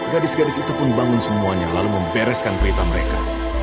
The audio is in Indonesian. gadis gadis itu pun bangun semuanya lalu membereskan berita mereka